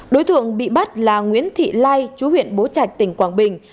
đối tượng bị bắt là nguyễn thị lai chú huyện bố trạch tỉnh quảng bình